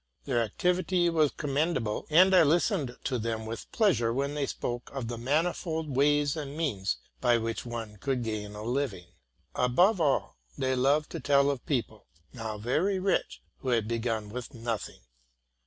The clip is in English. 'Their activity was commendable, and I listened to them with pleasure when they spoke of the mani fold ways and means by which one could gain a living: above all, they loved to tell of people, now very ricb, who had begun with nothing.